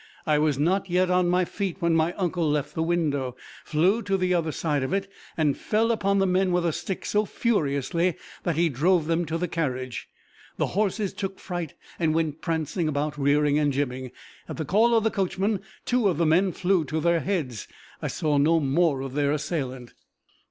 I was not yet on my feet when my uncle left the window, flew to the other side of it, and fell upon the men with a stick so furiously that he drove them to the carriage. The horses took fright, and went prancing about, rearing and jibbing. At the call of the coachman, two of the men flew to their heads. I saw no more of their assailant.